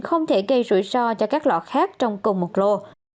không thể gây rủi ro cho các lò khác trong cùng một lô